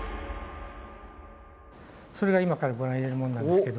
それが今からご覧に入れるものなんですけども。